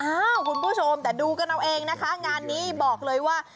คุณผู้ชมแต่ดูกันเอาเองนะคะงานนี้บอกเลยว่า